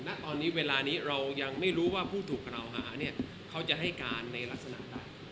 ณตอนนี้เวลานี้เรายังไม่รู้ว่าผู้ถูกกล่าวหาเนี่ยเขาจะให้การในลักษณะใด